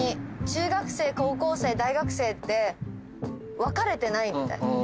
中学生高校生大学生って分かれてないみたいな。